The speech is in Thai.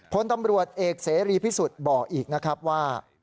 พลตำรวจเอกเสรีพิสุทธิ์บอกอีกนะครับว่า